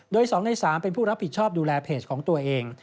โดย๒ใน๓เป็นผู้รับผิดชอบดูแลเพจของตัวเอง